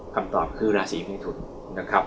คำตอบคือราศีเมทุนนะครับ